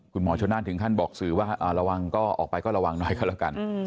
คุณหมอชนานถึงขั้นบอกสื่อว่าออกไปก็ระวังน้อยก็แล้วกัน